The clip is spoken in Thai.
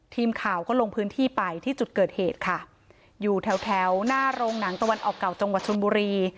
ทีมข่าวก็ลงพื้นที่ไปที่จุดเกิดเหตุค่ะอยู่แถวแถวหน้าโรงหนังตะวันออกเก่าจังหวัดชนบุรี